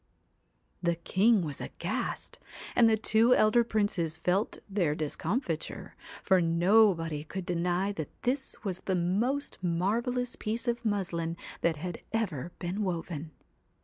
The king was aghast, and the two elder princes felt their discomfiture, for nobody could deny that this was the most marvellous piece of muslin that had ever been woven.